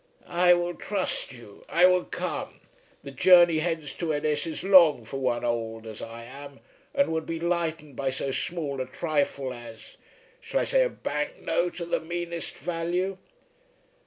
"I will trust you. I will come. The journey hence to Ennis is long for one old as I am, and would be lightened by so small a trifle as shall I say a bank note of the meanest value."